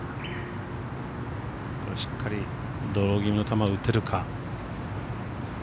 しっかりドロー気味の球を打てるか。